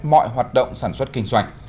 mọi hoạt động sản xuất kinh doanh